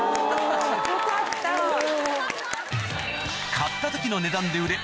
買った時の値段で売れ